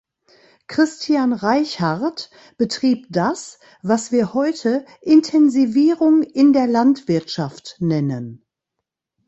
Christian Reichart betrieb das, was wir heute Intensivierung in der Landwirtschaft nennen.